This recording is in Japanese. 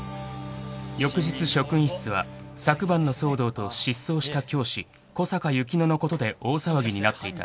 ［翌日職員室は昨晩の騒動と失踪した教師小坂由希乃のことで大騒ぎになっていた］